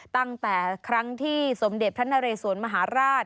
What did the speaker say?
ตั้งแต่ครั้งที่สมเด็จพระนเรสวนมหาราช